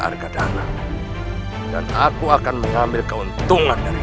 argadhana dan aku akan mengambil keuntungan dariku